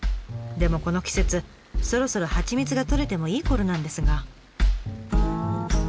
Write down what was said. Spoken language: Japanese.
でもこの季節そろそろ蜂蜜が採れてもいいころなんですが。